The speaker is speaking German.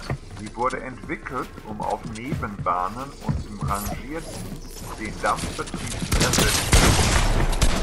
Sie wurde entwickelt, um auf Nebenbahnen und im Rangierdienst den Dampfbetrieb zu ersetzen.